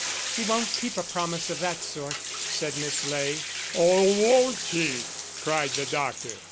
"He won't keep a promise of that sort," said Miss Ley. "Oh, won't he!" cried the doctor.